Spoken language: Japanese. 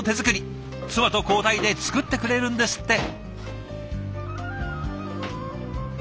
妻と交代で作ってくれるんですって。